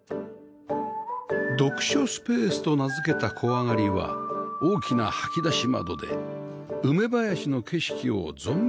「読書スペース」と名付けた小上がりは大きな掃きだし窓で梅林の景色を存分に楽しめます